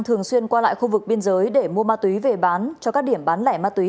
thường xuyên qua lại khu vực biên giới để mua ma túy về bán cho các điểm bán lẻ ma túy